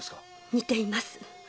似ています！